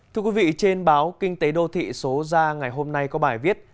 thưa quý vị trên báo kinh tế đô thị số ra ngày hôm nay có bài viết